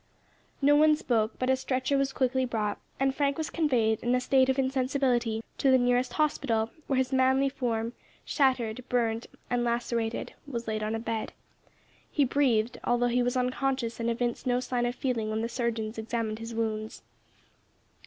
No one spoke, but a stretcher was quickly brought, and Frank was conveyed in a state of insensibility to the nearest hospital, where his manly form shattered, burned, and lacerated was laid on a bed. He breathed, although he was unconscious and evinced no sign of feeling when the surgeons examined his wounds.